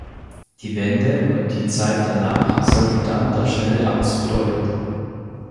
Die Wende und die Zeit danach sollten dann das schnelle Aus bedeuten.